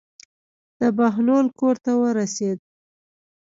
د بهلول کور ته ورسېد.